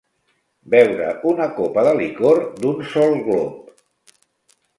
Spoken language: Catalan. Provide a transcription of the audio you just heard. Beure una copa de licor d'un sol glop.